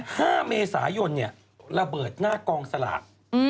ห้าเมษายนเนี่ยระเบิดหน้ากองสลากอืม